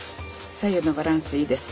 左右のバランスいいです。